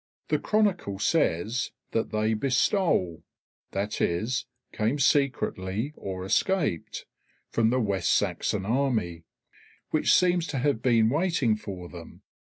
The Chronicle says that they "bestole" that is, came secretly or escaped from the West Saxon army, which seems to have been waiting for them.